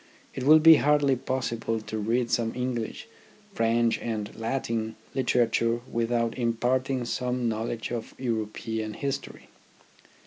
It will be hardly possible to read some English, French, and Latin literature with out imparting some knowledge of European history.